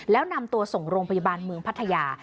แล้วนำตัวส่งโรงพยาบาลเมืองพัทยา